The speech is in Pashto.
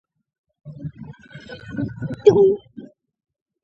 ایا ستاسو لارښوونه سمه نه ده؟